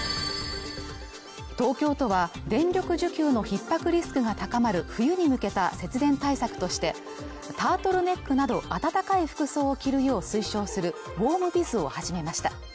東京都は電力需給のひっ迫リスクが高まる冬に向けた節電対策としてタートルネックなど暖かい服装を着るよう推奨するウォームビズを始めました